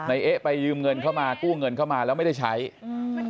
เอ๊ะไปยืมเงินเข้ามากู้เงินเข้ามาแล้วไม่ได้ใช้อืม